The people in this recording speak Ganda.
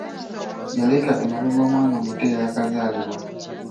Yaleka emabega omwana omuto eyakazaalibwa.